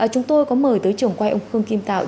chúng tôi có mời tới trường quay ông khương kim tạo